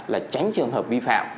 là tránh trường hợp vi phạm